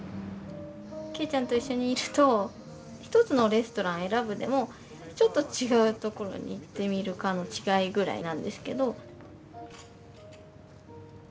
景ちゃんと一緒にいると一つのレストラン選ぶでもちょっと違うところに行ってみるかの違いぐらいなんですけど。